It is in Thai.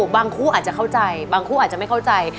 คู่อาจจะเข้าใจบางคู่อาจจะไม่เข้าใจ